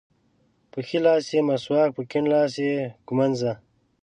په ښي لاس یې مسواک په کیڼ لاس ږمونځ ده.